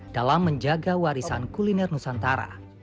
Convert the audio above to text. dalam menjaga warisan kuliner nusantara